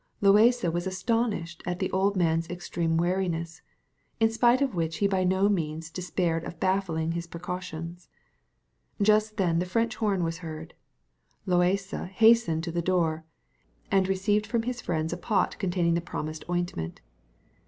Loaysa was astonished at the old man's extreme wariness, in spite of which he by no means despaired of baffling his precautions. Just then the French horn was heard: Loaysa hastened to the door, and received from his friends a pot containing the promised ointment.